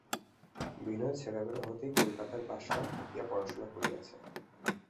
বিনয় ছেলেবেলা হইতেই কলিকাতার বাসায় থাকিয়া পড়াশুনা করিয়াছে।